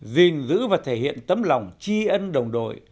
dình giữ và thể hiện tấm lòng chi ân đồng đội